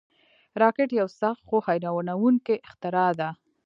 راکټ یو سخت، خو حیرانوونکی اختراع ده